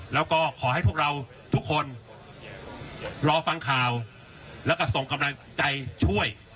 แล้วก็ขอให้พวกเราทุกคนรอฟังข่าวแล้วก็ส่งกำลังใจช่วย